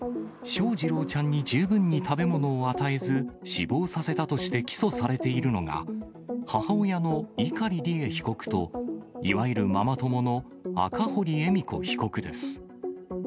翔士郎ちゃんに十分に食べ物を与えず、死亡させたとして起訴されているのが、母親の碇利恵被告と、いわゆるママ友の赤堀恵美子被告です。